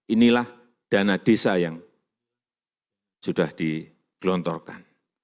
inilah dana desa yang sudah digelontorkan